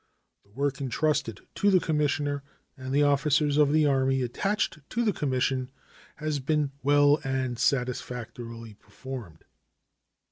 The work intrusted to the commissioner and the officers of the Army attached to the commission has been well and satisfactorily performed.